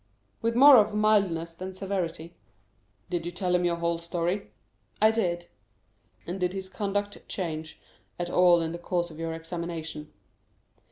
"With more of mildness than severity." "Did you tell him your whole story?" "I did." "And did his conduct change at all in the course of your examination?"